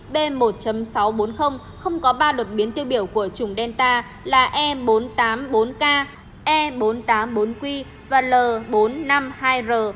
b một sáu trăm bốn mươi không có ba đột biến tiêu biểu của chủng delta là e bốn trăm tám mươi bốn k e bốn nghìn tám trăm bốn q và l bốn trăm năm mươi hai r